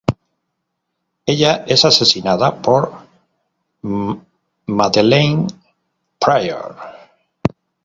Ella es asesinada por Madelyne Pryor.